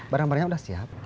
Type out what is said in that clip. barang barangnya udah siap